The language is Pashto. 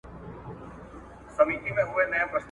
را نصیب چي یې څپې کړې د اسمان کیسه کومه ..